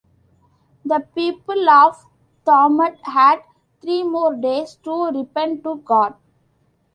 The people of Thamud had three more days to repent to God.